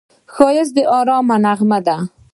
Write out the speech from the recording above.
ښایست د ارامۍ نغمه ده